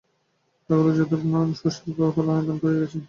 টাকাগুলি যাদব যেন শশীর কল্যাণেই দান করিয়া গিয়াছেন।